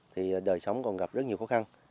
thì đời sống còn gặp rất nhiều khó khăn